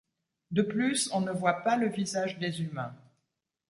De plus on ne voit pas le visage des humains.